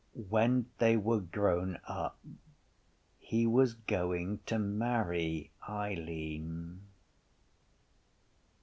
When they were grown up he was going to marry Eileen.